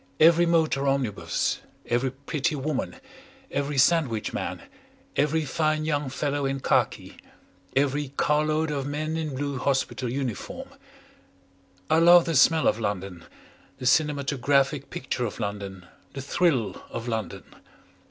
every motor omnibus, every pretty woman, every sandwich man, every fine young fellow in khaki, every car load of men in blue hospital uniform. I love the smell of London, the cinematographic picture of London, the thrill of London.